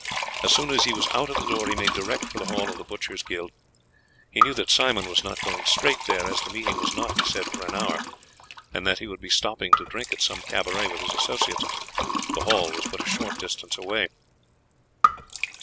As soon as he was out of the door he made direct for the hall of the butchers' guild. He knew that Simon was not going straight there, as the meeting was not, he said, for an hour, and that he would be stopping to drink at some cabaret with his associates. The hall was but a short distance away.